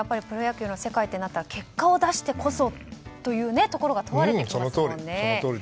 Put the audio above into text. プロ野球の世界となったら結果を出してこそというところが問われてきますもんね。